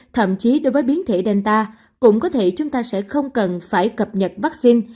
thậm chí đối với biến thể danta cũng có thể chúng ta sẽ không cần phải cập nhật vaccine